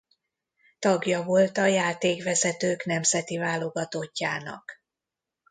Tagja volt a játékvezetők nemzeti válogatottjának.